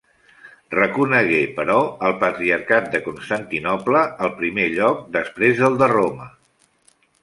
Reconegué, però, al patriarcat de Constantinoble el primer lloc després del de Roma.